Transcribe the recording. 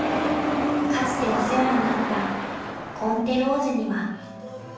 ［かつてお世話になったコンテ・ローゼには］